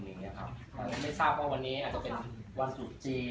ไม่ทราบว่าวันนี้อาจจะเป็นวันสุทธิ์จีน